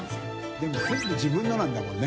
でも全部自分のなんだもんね。